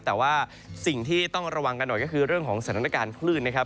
แต่ว่าสิ่งที่ต้องระวังกันหน่อยก็คือเรื่องของสถานการณ์คลื่นนะครับ